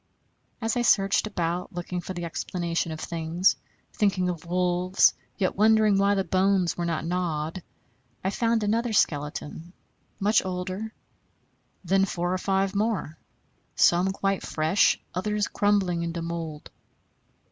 As I searched about, looking for the explanation of things, thinking of wolves, yet wondering why the bones were not gnawed, I found another skeleton, much older, then four or five more; some quite fresh, others crumbling into mould.